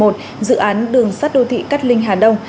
dự án đường sắt đô thị cát linh hà đông